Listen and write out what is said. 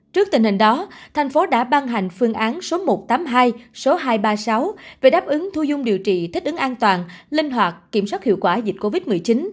trước tình hình đó thành phố đã ban hành phương án số một trăm tám mươi hai số hai trăm ba mươi sáu về đáp ứng thu dung điều trị thích ứng an toàn linh hoạt kiểm soát hiệu quả dịch covid một mươi chín